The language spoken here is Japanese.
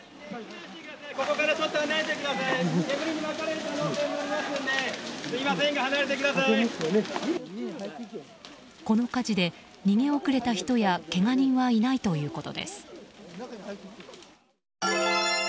この火事で逃げ遅れた人やけが人はいないということです。